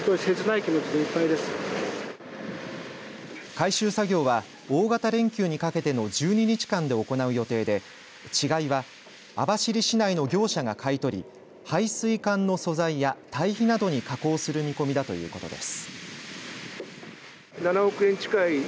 回収作業は大型連休にかけての１２日間で行う予定で稚貝は網走市内の業者が買い取り排水管の素材や堆肥などに加工する見込みだということです。